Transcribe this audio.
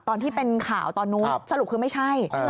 ตอนที่เป็นข่าวตอนนู้นสรุปคือไม่ใช่